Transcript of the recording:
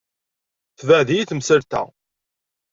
Tebɛed-iyi temsalt-a.